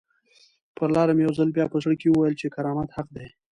پر لاره مې یو ځل بیا په زړه کې وویل چې کرامت حق دی.